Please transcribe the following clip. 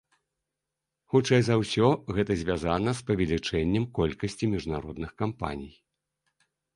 Хутчэй за ўсё, гэта звязана з павелічэннем колькасці міжнародных кампаній.